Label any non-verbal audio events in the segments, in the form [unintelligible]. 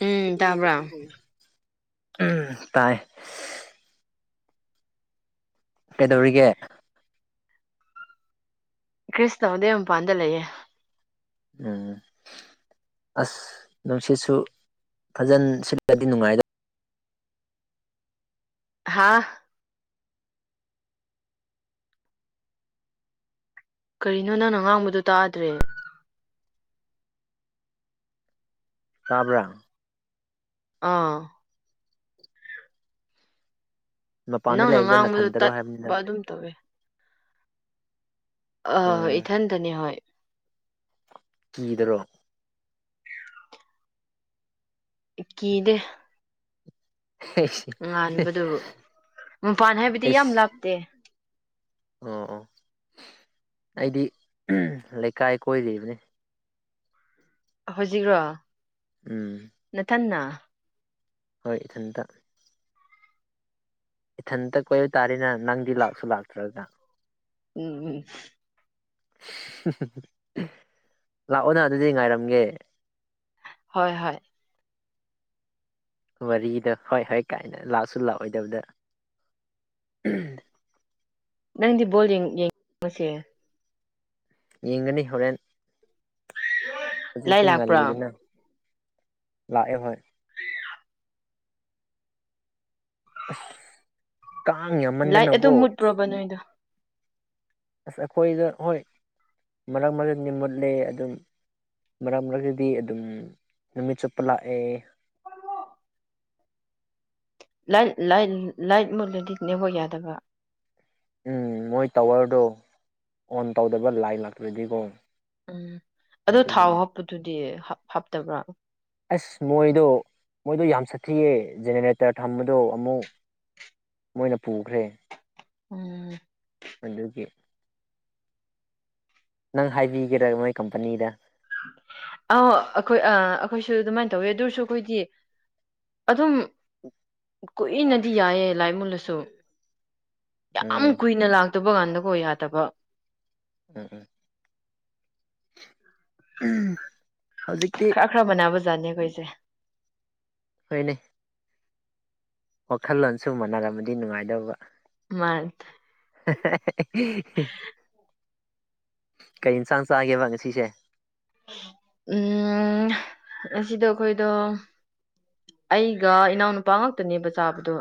ꯎꯝ ꯇꯥꯕ꯭ꯔꯥ ꯎꯝ ꯇꯥꯏ ꯀꯩꯗꯧꯔꯤꯒꯦ ꯀ꯭ꯔꯤꯁꯨ ꯇꯧꯗꯦ ꯃꯄꯥꯟꯗ ꯂꯩꯌꯦ ꯎꯝ ꯑꯁ ꯅꯨꯡꯁꯤꯠꯁꯨ ꯐꯖꯟ ꯁꯤꯠꯂꯗꯤ ꯅꯨꯡꯉꯥꯏꯗꯧ ꯍꯥꯥ ꯀꯔꯤꯅꯣ ꯅꯪꯅ ꯉꯥꯡꯕꯗꯣ ꯇꯥꯗ꯭ꯔꯦ ꯇꯥꯕ꯭ꯔꯥ ꯑꯥ ꯃꯄꯥꯟꯗ ꯅꯪꯅ ꯂꯩꯕꯗꯣ ꯉꯥꯡꯕꯗ ꯅꯊꯟꯗꯔꯣ ꯍꯥꯏꯕꯅꯤꯗ ꯇꯠꯄ ꯑꯗꯨꯝ ꯇꯧꯋꯦ ꯑꯥ ꯎꯝ ꯏꯊꯟꯇꯅꯤ ꯍꯣꯏ ꯀꯤꯗꯔꯣ ꯀꯤꯗꯦ ꯍꯩꯁ ꯉꯥꯟꯕꯗꯨ ꯃꯄꯥꯟ ꯍꯥꯏꯕꯗꯤ ꯌꯥꯝ ꯂꯥꯞꯇꯦ ꯑꯣ ꯑꯣ ꯑꯩꯗꯤ ꯂꯩꯀꯥꯏ ꯀꯣꯏꯔꯤꯕꯅꯤ ꯍꯧꯖꯤꯛꯔꯣ ꯎꯝ ꯅꯊꯟꯅꯥ ꯍꯣꯏ ꯏꯊꯟꯇ ꯏꯊꯟꯇ ꯀꯣꯏꯕ ꯇꯥꯔꯦꯅ ꯅꯪꯗꯤ ꯂꯥꯛꯁꯨ ꯂꯥꯛꯇ꯭ꯔꯒ ꯎꯝ ꯎꯝ ꯂꯥꯛꯑꯣꯅ ꯑꯗꯨꯗꯤ ꯉꯥꯏꯔꯝꯒꯦ ꯍꯣꯏ ꯍꯣꯏ ꯋꯥꯔꯤꯗꯣ ꯍꯣꯏ ꯍꯣꯏ ꯀꯥꯏꯅ ꯂꯥꯛꯁꯨ ꯂꯥꯛꯑꯣꯏꯗꯕꯗ ꯅꯪꯗꯤ ꯕꯣꯜ ꯌꯦꯡ ꯌꯦꯡ ꯉꯁꯤ ꯌꯦꯡꯒꯅꯤ ꯍꯣꯔꯦꯟ ꯂꯥꯏ ꯂꯥꯛꯄ꯭ꯔꯣ ꯂꯥꯏꯠ ꯍꯧꯖꯤꯛꯇꯤ ꯂꯥꯛꯄ꯭ꯔꯥ? ꯉꯜꯂꯤꯗꯅ ꯂꯥꯛꯑꯦ ꯍꯣꯏ ꯑꯁ ꯀꯥꯡ ꯂꯥꯏꯠ ꯑꯗꯨꯝ ꯌꯥꯝꯃꯟꯗꯅꯀꯣ ꯃꯨꯠꯄ꯭ꯔꯣꯕ ꯅꯣꯏꯗꯣ ꯑꯁ ꯑꯩꯈꯣꯏꯗ ꯍꯣꯏ ꯃꯔꯛ ꯃꯔꯛꯅꯤ ꯃꯨꯠꯂꯦ ꯑꯗꯨꯝ ꯃꯔꯛ ꯃꯔꯛꯇꯗꯤ ꯑꯗꯨꯝ ꯅꯨꯃꯤꯠ ꯆꯨꯞꯄ ꯂꯥꯛꯑꯦ ꯂ ꯂꯥꯏꯠ ꯃꯨꯜꯂꯗꯤ ꯅꯦꯋꯔꯛ ꯌꯥꯗꯕ ꯎꯝ ꯃꯣꯏ ꯇꯥꯋꯔꯗꯣ ꯑꯣꯟ ꯇꯧꯗꯕ ꯂꯥꯏ ꯂꯥꯛꯇ꯭ꯔꯗꯤꯀꯣ ꯎꯝ ꯑꯗꯣ ꯊꯥꯎ ꯑꯗꯨꯒꯤꯅꯦ ꯍꯥꯞꯄꯗꯨꯗꯤ ꯍꯥꯞꯇꯕ꯭ꯔꯥ ꯑꯁ ꯃꯣꯏꯗꯣ ꯃꯣꯏꯗꯣ ꯌꯥꯝ ꯁꯥꯊꯤꯌꯦ ꯖꯦꯅꯦꯔꯦꯇꯔ ꯊꯝꯕꯗꯣ ꯑꯃꯨꯛ ꯃꯣꯏꯅ ꯄꯨꯈ꯭ꯔꯦ ꯎꯝ ꯑꯗꯨꯗꯒꯤ ꯅꯪ ꯍꯥꯏꯕꯤꯒꯦꯔꯥ ꯃꯣꯏ ꯀꯝꯄꯅꯤꯗ ꯑ ꯑꯩꯈꯣꯏ ꯑ ꯑꯩꯈꯣꯏꯁꯨ ꯑꯗꯨꯃꯥꯏꯅ ꯇꯧꯋꯤ ꯑꯗꯨꯔꯁꯨ ꯑꯩꯈꯣꯏꯗꯤ ꯑꯗꯨꯝ ꯀꯨꯏꯅꯗꯤ ꯌꯥꯏꯌꯦ ꯂꯥꯏ ꯃꯨꯜꯂꯁꯨ ꯌꯥꯝ ꯎꯝ ꯀꯨꯏꯅ ꯂꯥꯛꯇꯕ ꯀꯥꯟꯗꯀꯣ ꯌꯥꯗꯕ ꯎꯝ ꯍꯧꯖꯤꯛꯇꯤ ꯈꯔ ꯈꯔ ꯃꯅꯥꯕ ꯖꯥꯅꯤ ꯑꯩꯈꯣꯏꯁꯦ ꯍꯣꯏꯅꯦ ꯋꯥꯈꯜꯂꯣꯟꯁꯨ ꯃꯥꯟꯅꯔꯝꯃꯗꯤ ꯅꯨꯡꯉꯥꯏꯗꯧꯕ ꯃꯥ [unintelligible] ꯀꯩ ꯏꯟꯁꯥꯡ ꯆꯥꯒꯦꯕ ꯉꯁꯤꯁꯦ ꯎꯝ ꯉꯥꯁꯤꯗꯣ ꯑꯩꯈꯣꯏꯗꯣ ꯑꯩꯒ ꯏꯅꯥꯎ ꯅꯨꯄꯥ ꯉꯥꯛꯇꯅꯦꯕ ꯆꯥꯕꯗꯣ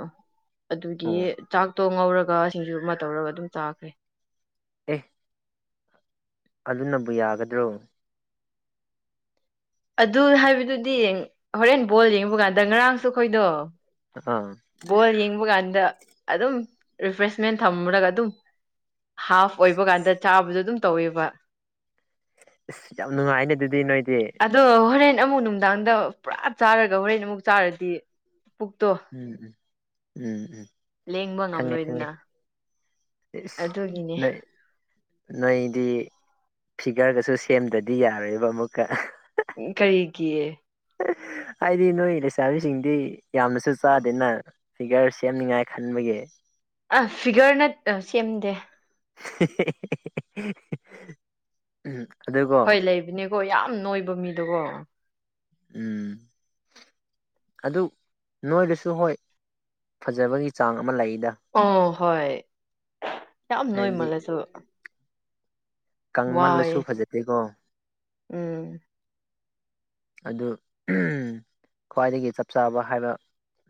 ꯑꯗꯨꯒꯤ ꯑꯣ ꯆꯥꯛꯇꯣ ꯉꯧꯔꯒ ꯁꯤꯡꯖꯨ ꯑꯃ ꯇꯧꯔꯒ ꯑꯗꯨꯝ ꯆꯥꯈ꯭ꯔꯦ ꯑꯦ ꯑꯗꯨꯅꯕꯨ ꯌꯥꯒꯗ꯭ꯔꯣ ꯑꯗꯨ ꯍꯥꯏꯕꯗꯨꯗꯤ ꯍꯣꯔꯦꯟ ꯕꯣꯜ ꯌꯦꯡꯕ ꯀꯥꯟꯗ ꯉꯔꯥꯡꯁꯨ ꯑꯩꯈꯣꯏꯗꯣ ꯑꯥ ꯕꯣꯜ ꯌꯦꯡꯕ ꯀꯥꯟꯗ ꯑꯗꯨꯝ ꯔꯤꯐ꯭ꯔꯦꯁꯃꯦꯟ ꯊꯝꯃꯨꯔꯒ ꯑꯗꯨꯝ ꯍꯥꯐ ꯑꯣꯏꯕ ꯀꯥꯟꯗ ꯆꯥꯕꯗ ꯑꯗꯨꯝ ꯇꯧꯋꯦꯕ ꯑꯁ ꯌꯥꯝ ꯅꯨꯡꯉꯥꯏꯅꯦ ꯑꯗꯨꯗꯤ ꯅꯣꯏꯗꯤ ꯑꯗꯣ ꯍꯣꯔꯦꯟ ꯑꯃꯨꯛ ꯅꯨꯡꯗꯥꯡꯗ ꯄꯨꯔꯥ ꯆꯥꯔꯒ ꯍꯣꯔꯦꯟ ꯑꯃꯨꯛ ꯆꯥꯔꯗꯤ ꯄꯨꯛꯇꯣ ꯎꯝ ꯎꯝ ꯎꯝ ꯎꯝ ꯂꯦꯡꯕ ꯈꯪꯉꯦ ꯈꯪꯉꯦ ꯉꯝꯂꯣꯏꯗꯅ ꯏꯁ ꯑꯗꯨꯒꯤꯅꯦ ꯅꯩ ꯅꯣꯏꯗꯤ ꯐꯤꯒꯔꯒꯁꯨ ꯁꯦꯝꯗꯗꯤ ꯌꯥꯔꯣꯏꯕ ꯑꯃꯨꯛꯀ ꯎꯝ ꯀꯔꯤꯒꯤ ꯍꯥꯏꯗꯤ ꯅꯣꯏ ꯂꯩꯁꯥꯕꯤꯁꯤꯡꯗꯤ ꯌꯥꯝꯅꯁꯨ ꯆꯥꯗꯦꯅ ꯐꯤꯒꯔ ꯁꯦꯝꯅꯤꯡꯉꯥꯏ ꯈꯟꯕꯒꯤ ꯑ ꯐꯤꯒꯔꯅꯠ ꯑ ꯁꯦꯝꯗꯦ [unintelligible] ꯎꯝ ꯑꯗꯨ ꯀꯣ ꯍꯣꯏ ꯂꯩꯕꯅꯦꯀꯣ ꯌꯥꯝ ꯅꯣꯏꯕ ꯃꯤꯗꯨꯀꯣ ꯎꯝ ꯑꯗꯨ ꯅꯣꯏꯔꯁꯨ ꯍꯣꯏ ꯐꯖꯕꯒꯤ ꯆꯥꯡ ꯑꯃ ꯂꯩꯗ ꯑꯣ ꯍꯣꯏ ꯌꯥꯝ ꯍꯥꯏꯕꯗꯤ ꯅꯣꯏꯃꯜꯂꯁꯨ ꯋꯥꯏꯌꯦ ꯀꯪꯃꯜꯂꯁꯨ ꯐꯖꯗꯦꯀꯣ ꯎꯝ ꯑꯗꯨ ꯈ꯭ꯋꯥꯏꯗꯒꯤ ꯆꯞ ꯆꯥꯕ ꯍꯥꯏꯕ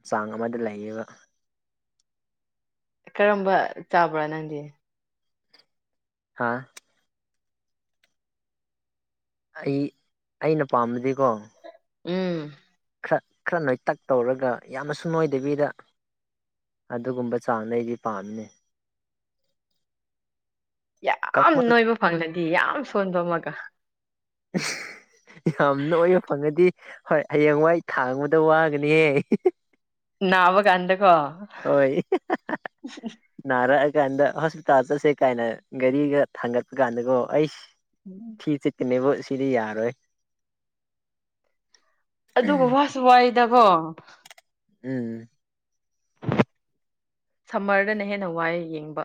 ꯆꯥꯡ ꯑꯃꯗ ꯂꯩꯌꯦꯕ ꯀꯔꯝꯕ ꯆꯥꯕ꯭ꯔꯥ ꯅꯪꯗꯤ ꯍꯥꯥ ꯑꯩ ꯑꯩꯅ ꯄꯥꯝꯕꯗꯤꯀꯣ ꯎꯝ ꯈꯔ ꯈꯔ ꯅꯣꯏꯇꯛ ꯇꯧꯔꯒ ꯌꯥꯝꯅꯁꯨ ꯅꯣꯏꯗꯕꯤꯗ ꯑꯗꯨꯒꯨꯝꯕ ꯆꯥꯡꯅ ꯑꯩꯗꯤ ꯄꯥꯝꯃꯤꯅꯦ ꯌꯥꯝ ꯀꯃꯜ ꯅꯣꯏꯕ ꯐꯪꯗꯗꯤ ꯌꯥꯝ ꯁꯣꯟꯕ ꯑꯃꯒ [unintelligible] ꯌꯥꯝ ꯅꯣꯏꯕ ꯐꯪꯉꯗꯤ ꯍꯣꯏ ꯍꯌꯦꯡꯋꯥꯏ ꯊꯥꯡꯕꯗ ꯋꯥꯒꯅꯤꯍꯦ ꯅꯥꯕꯀꯥꯟꯗꯀꯣ ꯍꯣꯏ ꯅꯥꯔꯛꯑꯀꯥꯟꯗ ꯍꯣꯁꯄꯤꯇꯥꯜ ꯆꯠꯁꯦ ꯀꯥꯏꯅ ꯒꯥꯔꯤꯒ ꯊꯥꯡꯒꯠꯄ ꯀꯥꯟꯗꯀꯣ ꯑꯩꯁ [inaudible] ꯊꯤ ꯆꯤꯠꯀꯅꯤꯕꯨ ꯁꯤꯗꯤ ꯌꯥꯔꯣꯏ ꯑꯗꯨꯒ ꯋꯥꯁꯨ ꯋꯥꯏꯗꯀꯣ ꯎꯝ ꯁꯝꯃꯔꯗꯅ ꯍꯦꯟꯅ ꯋꯥꯏ ꯌꯦꯡꯕ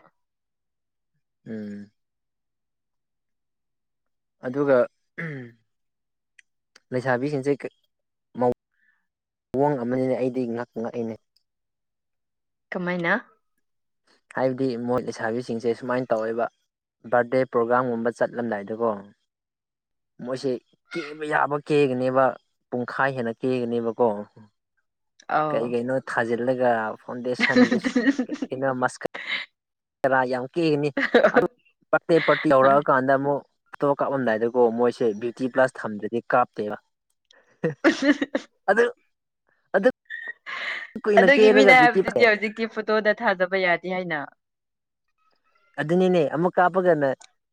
ꯎꯝ ꯑꯗꯨꯒ ꯂꯩꯁꯥꯕꯤꯁꯤꯡꯁꯦ ꯃꯑꯣꯡ ꯑꯃꯅꯤꯅꯦ ꯑꯩꯗꯤ ꯉꯛ ꯉꯛꯏꯅꯦ ꯀꯃꯥꯏꯅ ꯍꯥꯏꯕꯗꯤ ꯃꯣꯏ ꯂꯩꯁꯥꯕꯤꯁꯤꯡꯁꯦ ꯁꯨꯃꯥꯏꯟ ꯇꯧꯋꯦꯕ ꯕꯥꯔꯠꯗꯦ ꯄ꯭ꯔꯣꯒ꯭ꯔꯥꯝꯒꯨꯝꯕ ꯆꯠꯂꯝꯗꯥꯏꯗꯀꯣ ꯃꯣꯏꯁꯦ ꯀꯦꯕ ꯌꯥꯕ ꯀꯦꯒꯅꯦꯕ ꯄꯨꯡꯈꯥꯏ ꯍꯦꯟꯅ ꯀꯦꯒꯅꯦꯕꯀꯣ ꯑꯧ ꯀꯩ ꯀꯩꯅꯣ ꯊꯥꯖꯤꯜꯂꯒ ꯐꯥꯎꯗꯦꯁꯟ ꯂꯤꯁꯇꯤꯛ [unintelligible] ꯃꯁꯀꯥ ꯔꯥ ꯌꯥꯝ ꯀꯦꯒꯅꯤ ꯑꯗꯨ [unintelligible] ꯄꯥꯔꯇꯤ ꯍꯣꯏ. ꯇꯧꯔꯛꯑ ꯀꯥꯟꯗ ꯑꯃꯨꯛ ꯇꯣ ꯀꯥꯞꯂꯝꯗꯥꯏꯗꯀꯣ ꯃꯣꯏꯁꯦ ꯕ꯭ꯌꯨꯇꯤ ꯄ꯭ꯂꯁ ꯊꯝꯗ꯭ꯔꯗꯤ ꯀꯥꯞꯇꯦꯕ [unintelligible] ꯑꯗꯨ ꯑꯗꯨ ꯀꯨꯏꯅ ꯑꯗꯨꯒꯤ ꯀꯦꯔꯒ ꯃꯤꯅ ꯕ꯭ꯌꯨꯇꯤ ꯍꯥꯏꯕꯗꯨꯗꯤ ꯍꯧꯖꯤꯛꯇꯤ ꯐꯣꯇꯣꯗ ꯊꯥꯖꯕ ꯌꯥꯗꯦ ꯍꯥꯏꯅ ꯑꯗꯨꯅꯤꯅꯦ ꯑꯃꯨꯛ ꯀꯥꯞꯄꯒꯅ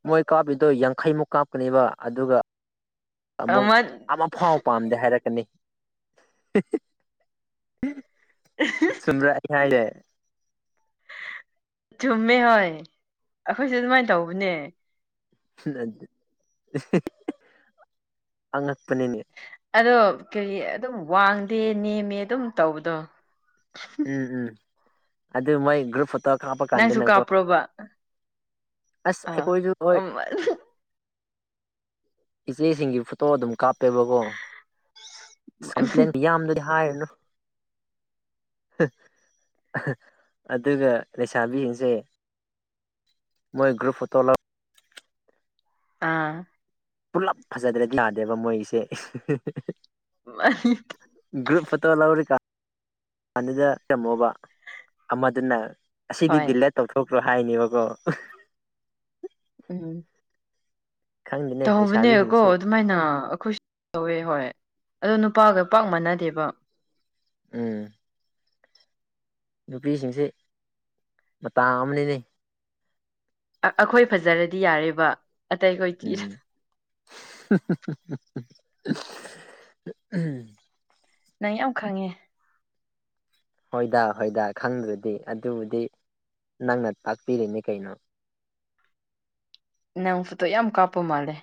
ꯃꯣꯏ ꯀꯥꯞꯄꯤꯗꯣ ꯌꯥꯡꯈꯩꯃꯨꯛ ꯀꯥꯞꯀꯅꯦꯕ ꯑꯗꯨꯒ ꯑꯃꯨꯛ ꯑꯃ ꯑꯃꯐꯥꯎ ꯄꯥꯝꯗꯦ ꯍꯥꯏꯔꯛꯀꯅꯤ [unintelligible] ꯁꯨꯟꯗ꯭ꯔꯥ ꯑꯩꯅ ꯍꯥꯏꯖꯦ ꯆꯨꯝꯃꯦ ꯍꯣꯏ ꯑꯩꯈꯣꯏꯁꯨ ꯑꯗꯨꯃꯥꯏꯟ ꯇꯧꯕꯅꯦ ꯑꯉꯛꯄꯅꯤꯅꯦ ꯑꯗꯣ ꯀꯔꯤ ꯑꯗꯨꯝ ꯋꯥꯡꯗꯦ ꯅꯦꯝꯃꯦ ꯑꯗꯨꯝ ꯇꯧꯕꯗꯣ ꯎꯝ ꯎꯝ ꯑꯗꯨ ꯃꯣꯏ ꯒ꯭ꯔꯨꯞ ꯐꯣꯇꯣ ꯀꯥꯞꯄ ꯅꯪꯁꯨ ꯀꯥꯟꯗꯅꯀꯣ ꯀꯥꯞꯄ꯭ꯔꯣꯕ ꯑꯁ ꯑꯥ ꯑꯩꯈꯣꯏꯖꯨ ꯍꯣꯏ [unintelligible] ꯏꯆꯦꯁꯤꯡꯒꯤ ꯐꯣꯇꯣ ꯑꯗꯨꯝ ꯀꯥꯞꯄꯦꯕꯀꯣ ꯑꯁ ꯀꯝꯄ꯭ꯂꯦꯟꯕꯤ ꯌꯥꯝꯗꯗꯤ ꯍꯥꯏꯔꯨꯅꯨ [inaudible] ꯑꯗꯨꯒ ꯂꯩꯁꯥꯕꯤꯌꯤꯡꯁꯦ ꯃꯣꯏ ꯒ꯭ꯔꯨꯞ ꯐꯣꯇꯣ ꯂꯧ ꯑ ꯄꯨꯂꯞ ꯐꯖꯗ꯭ꯔꯗꯤ ꯌꯥꯗꯦꯕ ꯃꯣꯏꯒꯤꯁꯦ [unintelligible] ꯒ꯭ꯔꯨꯞ ꯐꯣꯇꯣ ꯂꯧꯔꯤꯀꯥꯟ ꯀꯥꯟꯗꯨꯗ ꯇꯝꯃꯣꯕ ꯑꯃꯗꯨꯅ ꯑꯁꯤꯗꯤ ꯍꯣꯏ ꯗꯤꯂꯦꯠ ꯇꯧꯊꯣꯛꯈ꯭ꯔꯣ ꯍꯥꯏꯅꯦꯕꯀꯣ ꯎꯝ ꯈꯪꯗꯦꯅꯦ ꯇꯧꯕꯅꯦꯀꯣ ꯂꯩꯁꯥꯕꯤꯁꯤꯡꯁꯤ ꯑꯗꯨꯃꯥꯏꯅ ꯑꯈꯣꯏꯁ ꯇꯧꯋꯦ ꯍꯣꯏ ꯑꯗꯣ ꯅꯨꯄꯥꯒ ꯄꯥꯛ ꯃꯥꯟꯅꯗꯦꯕ ꯎꯝ ꯅꯨꯄꯤꯁꯤꯡꯁꯦ ꯃꯇꯥ ꯑꯃꯅꯤꯅꯦ ꯑ ꯑꯈꯣꯏ ꯐꯖꯔꯗꯤ ꯌꯥꯔꯦꯕ ꯑꯇꯩꯈꯣꯏ ꯊꯤꯔꯁꯨ [unintelligible] ꯎꯝ ꯅꯪ ꯌꯥꯝ ꯈꯪꯉꯦ ꯍꯣꯏꯗꯥ ꯍꯣꯏꯗꯥ ꯈꯪꯗ꯭ꯔꯗꯤ ꯑꯗꯨꯕꯨꯗꯤ ꯅꯪꯅ ꯇꯥꯛꯄꯤꯔꯤꯅꯤ ꯀꯩꯅꯣ ꯅꯪ ꯐꯨꯇꯣ ꯌꯥꯝ ꯀꯥꯞꯄ ꯃꯥꯜꯂꯦ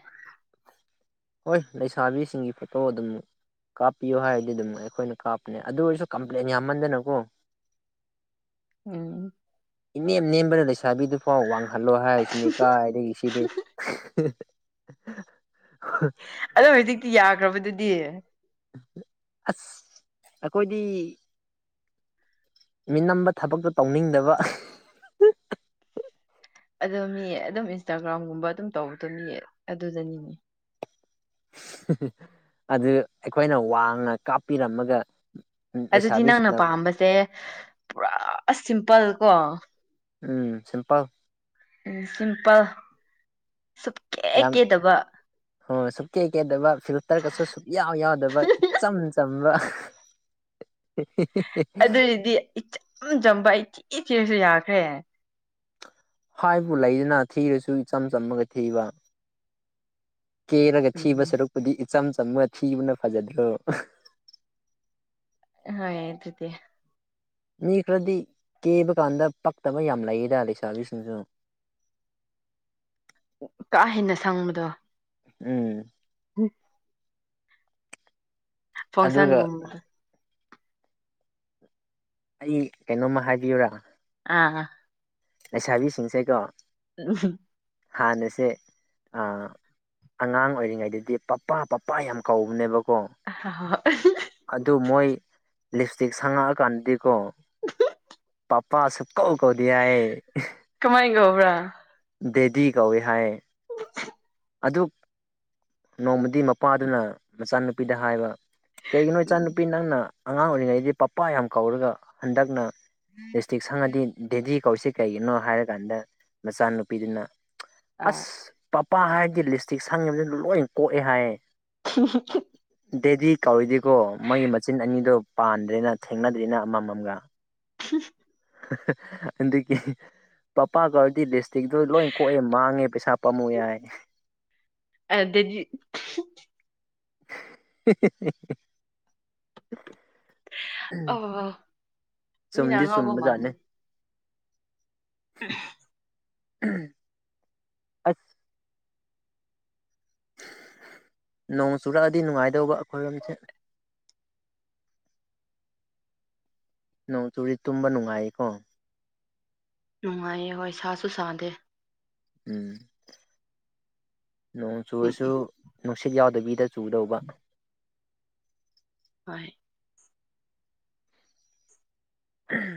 ꯍꯣꯏ ꯂꯩꯁꯥꯕꯤꯁꯤꯡꯒꯤ ꯐꯣꯇꯣ ꯑꯗꯨꯝ ꯀꯥꯞꯄꯤꯌꯣ ꯍꯥꯏꯔꯗꯤ ꯑꯗꯨꯝ ꯑꯩꯈꯣꯏꯅ ꯀꯥꯞꯄꯅꯦ ꯑꯗꯨ ꯑꯣꯏꯔꯁꯨ ꯀꯝꯄ꯭ꯂꯦꯟ ꯌꯥꯝꯃꯟꯗꯅꯀꯣ ꯎꯝ ꯏꯅꯦꯝ ꯅꯦꯝꯕꯗ ꯂꯩꯁꯥꯕꯤꯗꯨꯐꯥꯎ ꯋꯥꯡꯍꯜꯂꯣ ꯍꯥꯏꯁꯤꯅꯤ ꯀꯥꯢꯗꯒꯤ ꯁꯤꯗꯤ [unintelligible] [unintelligible] ꯑꯗꯣ ꯍꯧꯖꯤꯛꯇꯤ ꯌꯥꯈ꯭ꯔꯕꯗꯨꯗꯤ ꯑꯁ ꯑꯩꯈꯣꯏꯗꯤ ꯃꯤꯅꯝꯕ ꯊꯕꯛꯇꯣ ꯇꯧꯅꯤꯡꯗꯕ ꯑꯗꯣ ꯃꯤ ꯑꯗꯨꯝ ꯏꯟꯁꯇꯥꯒ꯭ꯔꯥꯝꯒꯨꯝꯕ ꯑꯗꯨꯝ ꯇꯧꯕꯗꯣ ꯃꯤ ꯑꯗꯨꯗꯅꯤꯅꯦ ꯑꯗꯨ ꯑꯩꯈꯣꯏꯅ ꯋꯥꯡꯅ ꯀꯥꯞꯄꯤꯔꯝꯃꯒ ꯑꯗꯨꯗꯤ ꯅꯪꯅ ꯂꯩꯁꯥꯕꯤꯁꯤꯡꯅ ꯄꯥꯝꯕꯁꯦ ꯄꯨꯔꯥ ꯁꯤꯝꯄꯜ ꯀꯣ ꯎꯝ ꯁꯤꯝꯄꯜ ꯎꯝ ꯁꯤꯝꯄꯜ ꯁꯨꯞꯀꯦ ꯌꯥꯝ ꯀꯦꯗꯕ ꯍꯣꯏ ꯁꯨꯞꯀꯦ ꯀꯦꯗꯕ ꯐꯤꯜꯇ꯭ꯔꯒꯁꯨ ꯁꯨꯛꯌꯥꯎ ꯌꯥꯎꯗꯕ ꯏꯆꯝ ꯆꯝꯕ [unintelligible] ꯑꯗꯨꯏꯗꯤ ꯏꯆꯝ ꯆꯝꯕ ꯑꯩꯊꯤ ꯊꯤꯔꯁꯨ ꯌꯥꯈ꯭ꯔꯦ ꯍꯥꯏꯕꯨ ꯂꯩꯗꯅ ꯊꯤꯔꯁꯨ ꯏꯆꯝ ꯆꯝꯃꯒ ꯊꯤꯕ ꯀꯦꯔꯒ ꯊꯤꯕ ꯎꯝ ꯁꯔꯨꯛꯄꯨꯗꯤ ꯏꯆꯝ ꯆꯝꯃꯒ ꯊꯤꯕꯅ ꯐꯖꯗ꯭ꯔꯣ ꯑꯍꯣꯏ ꯑꯗꯨꯗꯤ ꯃꯤ ꯈꯔꯗꯤ ꯀꯦꯕ ꯀꯥꯟꯗ ꯄꯛꯇꯕ ꯌꯥꯝ ꯂꯩꯌꯦꯗ ꯂꯩꯁꯥꯕꯤꯁꯤꯡꯁꯨ ꯀꯥ ꯍꯦꯟꯅ ꯁꯪꯕꯗꯣ ꯎꯝ [unintelligible] ꯑꯗꯨꯒ ꯐꯪꯁꯟꯒꯨꯝꯕꯗ ꯑꯩ ꯀꯩꯅꯣꯝꯃ ꯍꯥꯏꯕꯤꯌꯨꯔꯥ ꯑꯥ ꯂꯩꯁꯥꯕꯤꯁꯤꯡꯁꯦꯀꯣ [unintelligible] ꯍꯥꯟꯅꯁꯦ ꯑꯥ ꯑꯉꯥꯡ ꯑꯣꯏꯔꯤꯉꯩꯗꯗꯤ ꯄꯞꯄꯥ ꯄꯞꯄꯥ ꯌꯥꯝ ꯀꯧꯕꯅꯦꯕꯀꯣ ꯍꯍ ꯍꯣꯏ ꯑꯗꯨ ꯃꯣꯏ ꯂꯤꯁꯇꯤꯛ ꯁꯪꯉꯛꯑꯀꯥꯟꯗꯗꯤꯀꯣ ꯄꯞꯄ ꯁꯨꯀꯧ ꯀꯧꯗꯦ ꯍꯥꯏꯑꯦ ꯀꯃꯥꯏꯉꯧꯕ꯭ꯔꯥ ꯗꯦꯗꯤ ꯀꯧꯋꯦ ꯍꯥꯏꯌꯦ [unintelligible] ꯑꯗꯨ ꯅꯣꯡꯃꯗꯤ ꯃꯄꯥꯗꯨꯅ ꯃꯆꯥꯅꯨꯄꯤꯗ ꯍꯥꯏꯕ ꯀꯩꯒꯤꯅꯣ ꯎꯝ ꯏꯆꯥꯅꯨꯄꯤ ꯅꯪꯅ ꯑꯉꯥꯡ ꯑꯣꯏꯔꯤꯉꯩꯗꯤ ꯄꯞꯄꯥ ꯌꯥꯝ ꯀꯧꯔꯒ ꯍꯟꯗꯛꯅ ꯂꯤꯞꯁꯇꯤꯛ ꯁꯪꯉꯗꯤ ꯗꯦꯗꯤ ꯀꯧꯏꯁꯤ ꯀꯩꯒꯤꯅꯣ ꯍꯥꯏꯔꯀꯥꯟꯗ ꯃꯆꯥꯅꯨꯄꯤꯗꯨꯅ ꯑꯁ ꯑꯥ ꯄꯄꯥ ꯍꯥꯏꯔꯗꯤ ꯂꯤꯁꯇꯤꯛ ꯁꯪꯉꯤꯕꯗꯨ ꯂꯣꯏ ꯀꯣꯛꯑꯦ ꯍꯥꯏꯌꯦ [unintelligible] ꯗꯦꯗꯤ ꯀꯧꯔꯤꯗꯤꯀꯣ ꯃꯒꯤ ꯃꯆꯤꯟ ꯑꯅꯤꯗꯣ ꯄꯥꯟꯗ꯭ꯔꯦꯅ ꯊꯦꯡꯅꯗ꯭ꯔꯦꯅ ꯑꯃꯃꯝꯒ [unintelligible] ꯑꯗꯨꯒꯤ ꯄꯄꯥ ꯀꯧꯔꯗꯤ ꯂꯤꯁꯇꯤꯛꯇꯣ ꯂꯣꯏ ꯀꯣꯛꯑꯦ ꯃꯥꯡꯉꯦ ꯄꯩꯁꯥ ꯄꯥꯝꯃꯨ ꯍꯥꯏ ꯑꯗꯗꯤ [unintelligible] ꯑꯣ ꯆꯨꯝꯗꯤ ꯆꯨꯝꯕꯖꯠꯅꯦ [unintelligible] ꯑꯠ ꯅꯣꯡ ꯆꯨꯔꯛꯑꯗꯤ ꯅꯨꯡꯉꯥꯏꯗꯧꯕ ꯑꯈꯣꯏꯔꯣꯝꯁꯦ ꯅꯣꯡ ꯆꯨꯔꯤ ꯇꯨꯝꯕ ꯅꯨꯡꯉꯥꯏꯀꯣ ꯅꯨꯡꯉꯥꯏꯌꯦ ꯍꯣꯏ ꯁꯥꯁꯨ ꯁꯥꯗꯦ ꯎꯝ ꯅꯣꯡ ꯎꯝ ꯎꯝ ꯆꯨꯔꯁꯨ ꯅꯨꯡꯁꯤꯠ ꯌꯥꯎꯗꯕꯤꯗ ꯆꯨꯗꯧꯕ ꯍꯣꯏ [unintelligible]